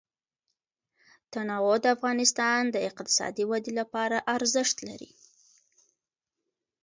تنوع د افغانستان د اقتصادي ودې لپاره ارزښت لري.